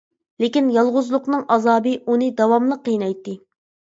لېكىن يالغۇزلۇقنىڭ ئازابى ئۇنى داۋاملىق قىينايتتى.